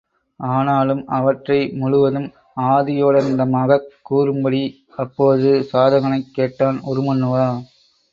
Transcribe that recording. ஆனாலும் அவற்றை முழுவதும் ஆதியோடந்தமாகக் கூறும்படி அப்போது சாதகனைக் கேட்டான் உருமண்ணுவா.